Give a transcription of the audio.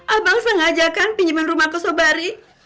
abang sengajakan pinjaman rumah kosobari